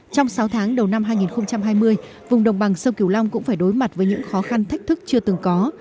trong sáu tháng đầu năm hai nghìn hai mươi vùng đồng bằng sông kiều long cũng phải đối mặt với những khó khăn thách thức chưa từng có